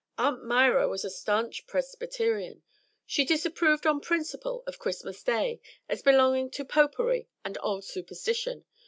Aunt Myra was a stanch Presbyterian. She disapproved on principle of Christmas day, as belonging to popery and old superstition.